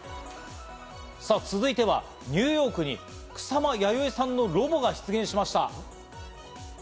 さぁ、続いてはニューヨークに草間彌生さんのロボが出現しました。